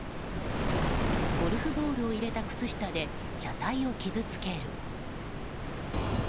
ゴルフボールを入れた靴下で車体を傷つける。